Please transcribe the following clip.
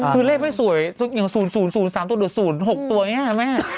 คือเลขไม่สวยอย่าง๐๐๐๓๐๐๖ตัวนี้ใช่ไหม